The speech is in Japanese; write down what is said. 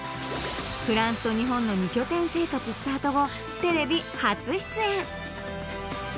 フランスと日本の二拠点生活スタート後テレビ初出演